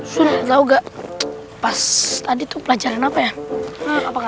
sun tau gak pas tadi pelajaran apa ya